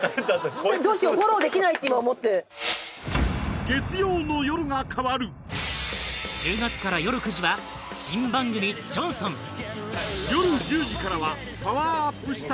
「どうしようフォローできない」って今思って１０月からよる９時は新番組「ジョンソン」よる１０時からはパワーアップした